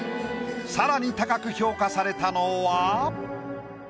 更に高く評価されたのは。